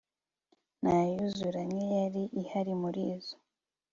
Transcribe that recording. ntayuzura nkiyali ihali murizo